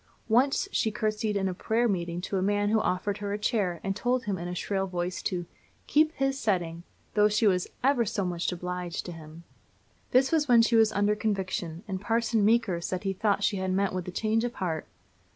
Once she courtesied in a prayer meeting to a man who offered her a chair, and told him, in a shrill voice, to "keep his setting," though she was "ever so much obleeged" to him. This was when she was under conviction, and Parson Meeker said he thought she had met with a change of heart.